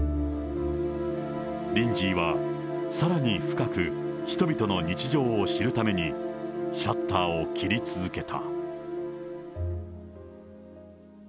リンジーはさらに深く人々の日常を知るためにシャッターを切り続けた。